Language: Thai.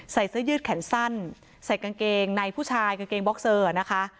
เสื้อยืดแขนสั้นใส่กางเกงในผู้ชายกางเกงบ็อกเซอร์นะคะ